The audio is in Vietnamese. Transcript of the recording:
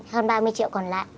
hơn ba mươi triệu còn lại